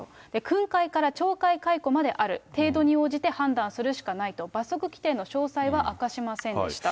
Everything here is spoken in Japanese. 訓戒から懲戒解雇まである、程度に応じて判断するしかないと、罰則規定の詳細は明かしませんでした。